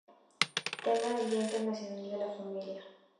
Temas del Día Internacional de la Familia